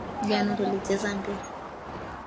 Jana tulicheza mpira .